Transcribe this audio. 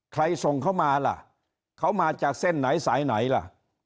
ใครส่งเขามาล่ะเขามาจากเส้นไหนสายไหนล่ะ